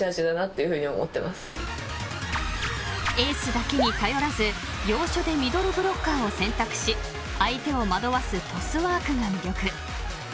［エースだけに頼らず要所でミドルブロッカーを選択し相手を惑わすトスワークが魅力］